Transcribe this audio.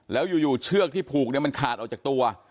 แล้วอยู่เชือกที่ผูกเนี่ยมันขาดออกจากตัว